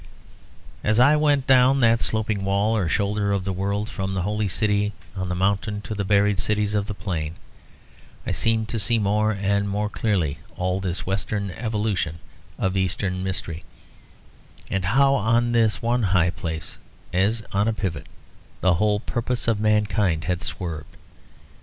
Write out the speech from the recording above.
As I went down that sloping wall or shoulder of the world from the Holy City on the mountain to the buried Cities of the Plain, I seemed to see more and more clearly all this Western evolution of Eastern mystery, and how on this one high place, as on a pivot, the whole purpose of mankind had swerved.